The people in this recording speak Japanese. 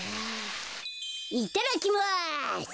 いただきます！